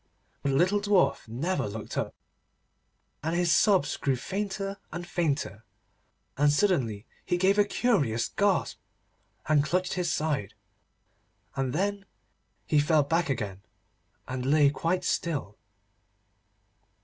But the little Dwarf never looked up, and his sobs grew fainter and fainter, and suddenly he gave a curious gasp, and clutched his side. And then he fell back again, and lay quite still.